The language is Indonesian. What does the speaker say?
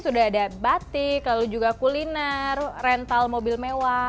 sudah ada batik lalu juga kuliner rental mobil mewah